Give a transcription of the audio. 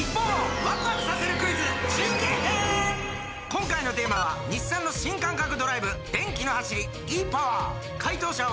今回のテーマは日産の新感覚ドライブ電気の走りｅ−ＰＯＷＥＲ解答者を呼んでみましょう神田さん！